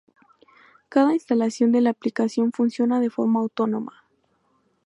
Cada instalación de la aplicación funciona de forma autónoma.